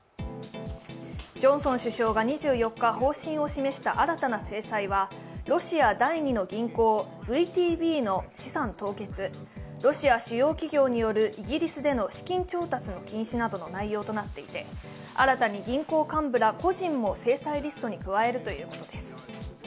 ジョンソン首相が２４日、方針を示した新たな制裁はロシア第２の銀行、ＶＴＢの資産凍結、ロシア主要企業によるイギリスでの資金調達の禁止などの内容になっていて、新たに銀行幹部ら個人を制裁リストに加えるということです。